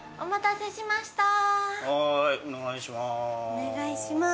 はいお願いします。